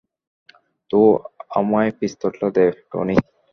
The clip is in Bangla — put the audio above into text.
তো, আমায় পিস্তলটা দে, টনি।